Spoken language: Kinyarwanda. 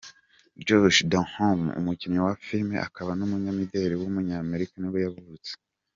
Josh Duhamel, umukinnyi wa filime akaba n’umunyamideli w’umunyamerika nibwo yavutse.